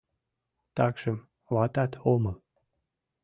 Такшым... ватат омыл...